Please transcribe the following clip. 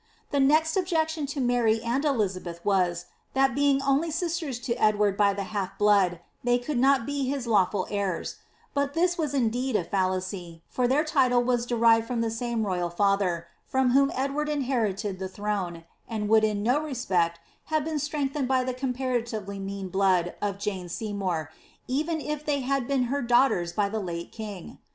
The next objection to Mary and Elizabeth was, that being only sisters to Edward by the half blood, they could not be his lawful heirs ; but this was indeed a fallacy, for their title was derived from the same royal father, from whom Edward inhe rited the throne, and would in no respect have been strengthened by the comparatively mean blood of Jane Seymour, even if they had been her (daughters by the late king.